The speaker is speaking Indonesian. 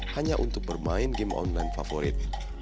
hanya untuk bermain game online favorit